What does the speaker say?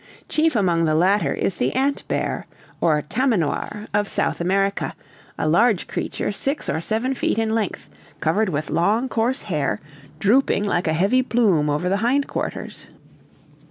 Chief among the latter is the ant bear, or tamanoir, of South America, a large creature six or seven feet in length, covered with long coarse hair, drooping like a heavy plume over the hind quarters.